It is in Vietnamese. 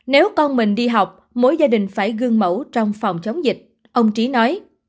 nếu con mình đi học mỗi gia đình phải gương mẫu trong phòng chống dịch ông trí nói